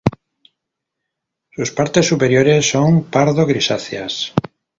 Sus partes superiores son pardo grisáceas.